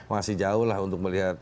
masih jauh lah untuk melihat